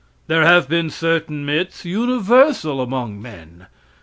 There have been certain myths universal among men.